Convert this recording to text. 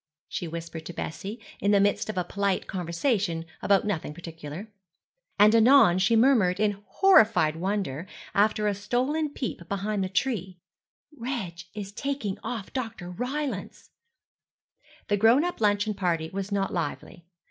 she whispered to Bessie, in the midst of a polite conversation about nothing particular. And anon she murmured in horrified wonder, after a stolen peep behind the tree, 'Reg is taking off Dr. Rylance.' The grown up luncheon party was not lively.